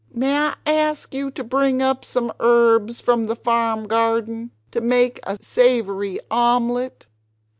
"May I ask you to bring up some herbs from the farm garden to make a savory omelet?